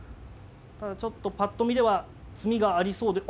ただちょっとぱっと見では詰みがありそうで。